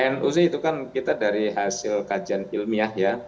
nu sih itu kan kita dari hasil kajian ilmiah ya